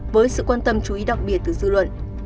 với sự quan tâm chú ý đặc biệt từ dư luận